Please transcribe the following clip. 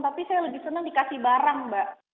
tapi saya lebih senang dikasih barang mbak